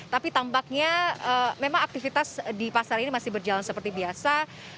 tapi tampaknya memang aktivitas di pasar ini masih berjalan seperti biasa